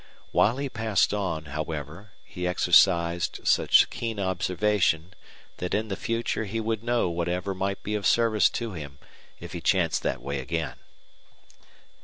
While he passed on, however, he exercised such keen observation that in the future he would know whatever might be of service to him if he chanced that way again.